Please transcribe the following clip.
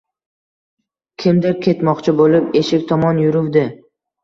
Kimdir ketmoqchi bo`lib eshik tomon yuruvdi